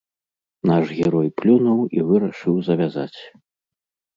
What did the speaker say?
Наш герой плюнуў і вырашыў завязаць.